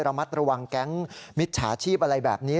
ระมัดระวังแก๊งมิจฉาชีพอะไรแบบนี้